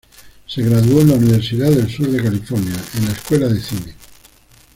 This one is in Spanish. Se graduó en la Universidad del Sur de California en la Escuela de Cine.